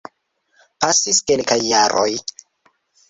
Pasis kelkaj jaroj.